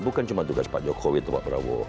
bukan cuma tugas pak jokowi atau pak prabowo